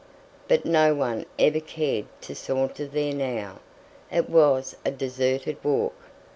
But no one ever cared to saunter there now. It was a deserted walk.